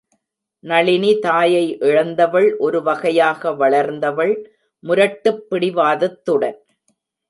நளினி தாயை இழந்தவள் ஒரு வகையாக வளர்ந்தவள், முரட்டுப் பிடிவாதத்துடன்!